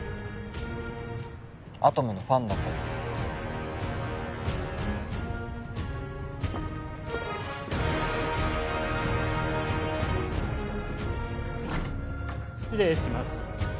アトムのファンだから失礼します